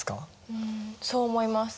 うんそう思います。